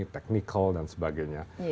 technical dan sebagainya